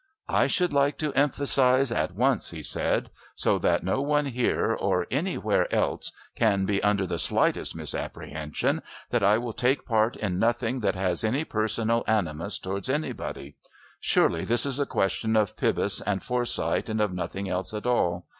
"I should like to emphasise at once," he said, "so that no one here or anywhere else can be under the slightest misapprehension, that I will take part in nothing that has any personal animus towards anybody. Surely this is a question of Pybus and Forsyth and of nothing else at all.